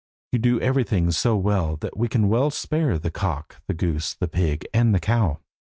You do everything so well that we can well spare the cock, the goose, the pig, and the cow."